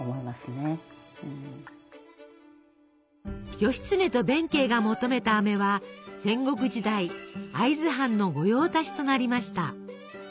義経と弁慶が求めたあめは戦国時代会津藩の御用達となりました。